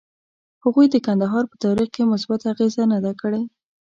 هغوی د کندهار په تاریخ کې مثبته اغیزه نه ده کړې.